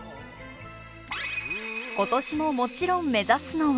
今年ももちろん目指すのは。